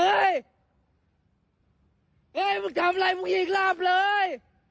เฮ้ยทำอะไรผู้หญิงลาบเลย